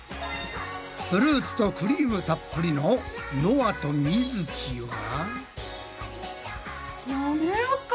フルーツとクリームたっぷりののあとみづきは。